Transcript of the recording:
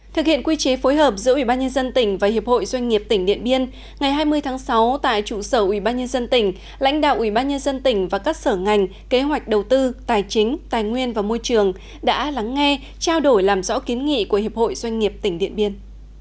thực hiện quy chế phối hợp giữa ủy ban nhân dân tỉnh và hiệp hội doanh nghiệp tỉnh điện biên ngày hai mươi tháng sáu tại trụ sở ubnd tỉnh lãnh đạo ubnd tỉnh và các sở ngành kế hoạch đầu tư tài chính tài nguyên và môi trường đã lắng nghe trao đổi làm rõ kiến nghị của hiệp hội doanh nghiệp tỉnh điện biên